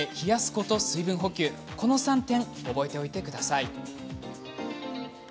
この３点、覚えておいてください。